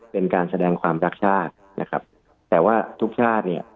เป็นการแสดงความรักชาติแต่ว่าทุกชาติ